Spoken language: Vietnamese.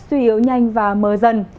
suy yếu nhanh và mờ dần